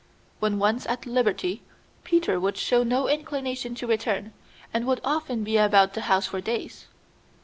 When once at liberty Peter would show no inclination to return, and would often be about the house for days.